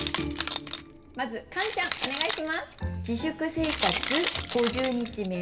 まずカンちゃんお願いします。